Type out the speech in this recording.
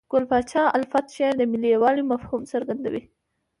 ګل پاچا الفت شعر د ملي یووالي مفهوم څرګندوي.